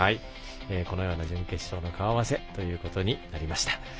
このような準決勝の顔合わせとなりました。